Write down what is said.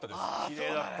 きれいだった。